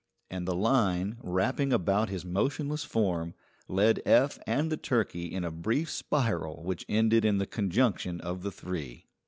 and the line, wrapping about his motionless form, led Eph and the turkey in a brief spiral which ended in the conjunction of the three.